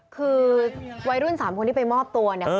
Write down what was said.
คือวัยรุ่น๓คนที่ไปมอบตัวเนี่ย